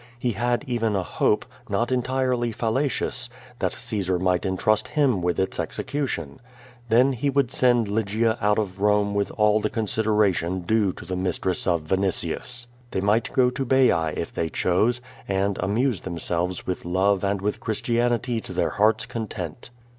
lie had even a ho|)e, not entirely fallacious, that Caosar mijrht entrust him witli its execution. Then he would send Lygia out of Rome with all the consideration due QUO VADI8. 249 to the mistress of Vinitius. They might go to Baiac if they chose, and amuse themselves with love and with Christianity to their heart's content.